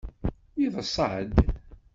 Yeḍṣa-d.